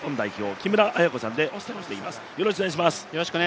木村文子さんでお伝えをしていきます。